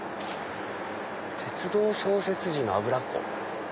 「鉄道創設時の油庫。